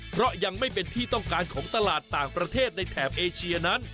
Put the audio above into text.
เพราะยังไม่เป็นที่ต้องการของตลาดต่างประเทศในแถบเอเชียนั้น